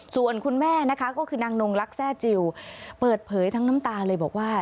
ส่วนคุณแม่นะคะก็คือนางนงลักษรจิลเปิดเผยทั้งน้ำตาเลยบอกว่า